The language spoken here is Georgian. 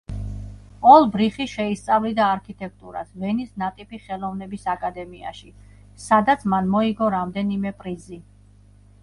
ოლბრიხი შეისწავლიდა არქიტექტურას ვენის ნატიფი ხელოვნების აკადემიაში, სადაც მან მოიგო რამდენიმე პრიზი.